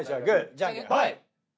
じゃんけんほい！